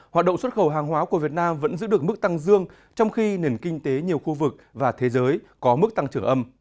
họa động xuất khẩu hàng hóa của việt nam vẫn giữ được mức tăng dương trong khi nền kinh tế nhiều khu vực và thế giới có mức tăng trở âm